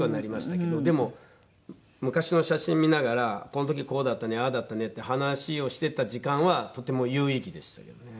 でも昔の写真見ながらこの時こうだったねああだったねって話をしてた時間はとても有意義でしたけどね。